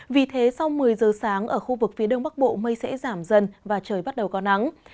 vì thế sau một mươi giờ sáng ở khu vực phía đông bắc bộ mây sẽ giảm dần và trời bắt đầu có nắng